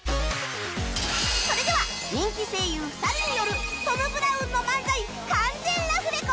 それでは人気声優２人によるトム・ブラウンの漫才完全ラフレコ